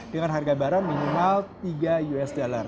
dengan harga barang minimal tiga usd